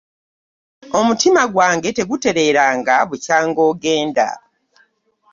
Omutima gwange tegutereeranga bukyanga ogenda.